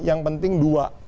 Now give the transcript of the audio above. yang penting dua